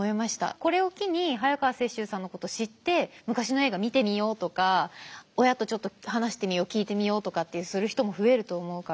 これを機に早川雪洲さんのこと知って昔の映画見てみようとか親とちょっと話してみよう聞いてみようとかってする人も増えると思うから。